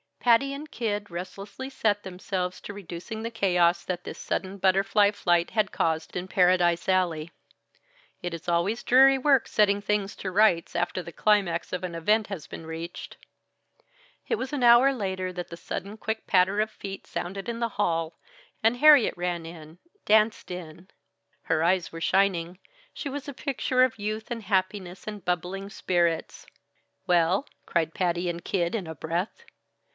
Patty and Kid restlessly set themselves to reducing the chaos that this sudden butterfly flight had caused in Paradise Alley it is always dreary work setting things to rights, after the climax of an event has been reached. It was an hour later that the sudden quick patter of feet sounded in the hall, and Harriet ran in danced in her eyes were shining; she was a picture of youth and happiness and bubbling spirits. "Well?" cried Patty and Kid in a breath.